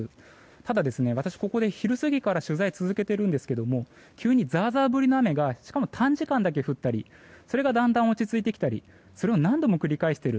ただ、私はここで昼過ぎから取材を続けているんですけれども急にザーザー降りの雨が短時間だけ降ったりそれがだんだん落ち着いてきたりそれを何度も繰り返している。